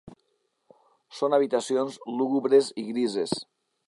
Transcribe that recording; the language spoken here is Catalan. Són habitacions lúgubres i grises.